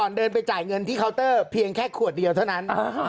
เดินไปจ่ายเงินที่เคาน์เตอร์เพียงแค่ขวดเดียวเท่านั้น